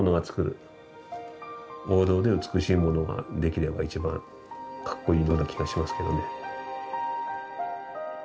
王道で美しいものができれば一番かっこいいような気がしますけどね。